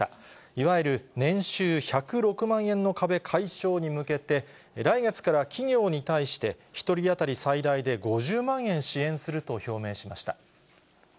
いわゆる年収１０６万円の壁解消に向けて、来月から企業に対して、１人当たり最大で５０万円支援すると表明しました。